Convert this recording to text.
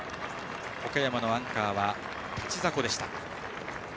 岡山のアンカーは立迫でした。